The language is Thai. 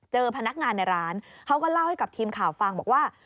พนักงานในร้านเขาก็เล่าให้กับทีมข่าวฟังบอกว่า